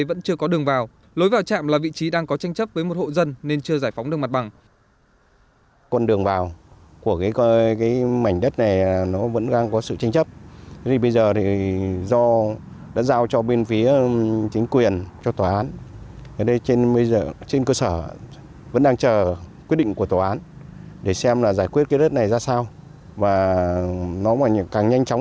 vẫn chưa có đường vào lối vào trạm là vị trí đang có tranh chấp với một hộ dân nên chưa giải phóng